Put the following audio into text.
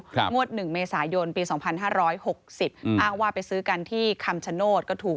งวดหนึ่งเมษายนปีสองพันห้าร้อยหกสิบอืมอ้างว่าไปซื้อกันที่คำชโนธก็ถูก